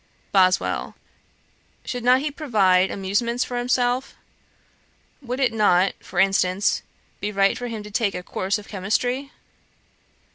BOSWELL. 'Should not he provide amusements for himself? Would it not, for instance, be right for him to take a course of chymistry?'